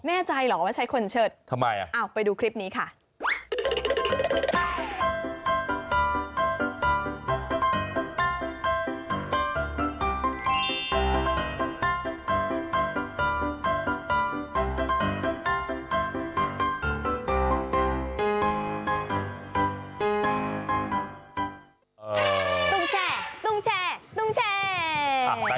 แน่ใจเหรอว่าใช้คนเชิดอ้าวไปดูคลิปนี้ค่ะทำไมล่ะ